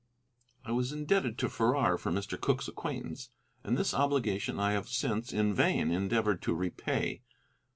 I was indebted to Farrar for Mr. Cooke's acquaintance, and this obligation I have since in vain endeavored to repay.